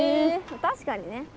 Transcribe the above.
確かにね。